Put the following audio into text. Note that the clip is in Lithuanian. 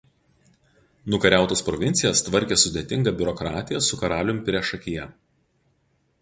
Nukariautas provincijas tvarkė sudėtinga biurokratija su karaliumi priešakyje.